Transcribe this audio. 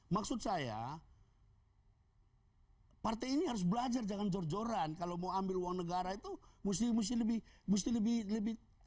maksud saya partai ini harus belajar jangan jor joran kalau mau ambil uang negara itu mesti lebih